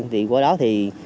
thì qua đó thì